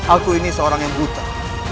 aku ini seorang yang buta